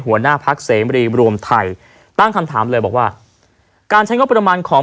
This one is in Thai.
หัวหน้าพักเสมรีรวมไทยตั้งคำถามเลยบอกว่าการใช้งบประมาณของ